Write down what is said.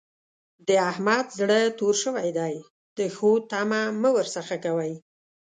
د احمد زړه تور شوی دی؛ د ښو تمه مه ور څځه کوئ.